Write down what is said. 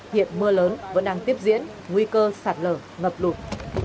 hiện mưa lớn vẫn đang tiếp diễn nguy cơ sạt lở ngập lụt